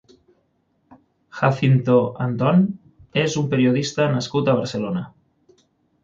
Jacinto Antón és un periodista nascut a Barcelona.